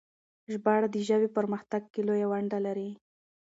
ژباړه د ژبې په پرمختګ کې لويه ونډه لري.